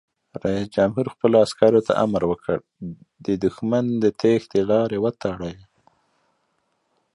رئیس جمهور خپلو عسکرو ته امر وکړ؛ د دښمن د تیښتې لارې وتړئ!